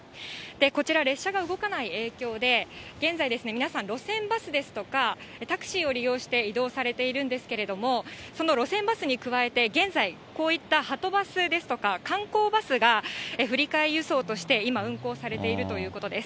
こちら、列車が動かない影響で、現在、皆さん、路線バスですとか、タクシーを利用して、移動されているんですけれども、その路線バスに加えて、現在、こういったはとバスですとか、観光バスが振り替え輸送として今、運行されているということです。